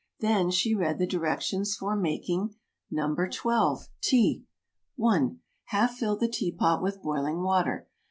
"] Then she read the directions for making NO. 12. TEA. 1. Half fill the teapot with boiling water.